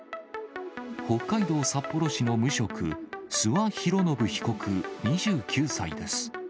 北海道札幌市の無職、諏訪博宣被告２９歳です。